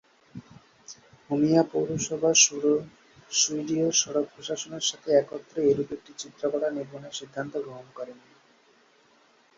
Umeå পৌরসভা সুইডীয় সড়ক প্রশাসনের সাথে একত্রে এরূপ একটি চিত্রকলা নির্মাণের সিদ্ধান্ত গ্রহণ করেন।